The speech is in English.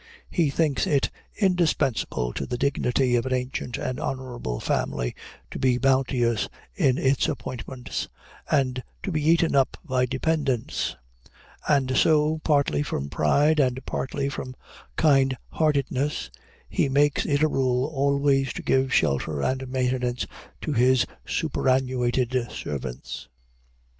He thinks it indispensable to the dignity of an ancient and honorable family, to be bounteous in its appointments, and to be eaten up by dependents; and so, partly from pride, and partly from kind heartedness, he makes it a rule always to give shelter and maintenance to his superannuated servants.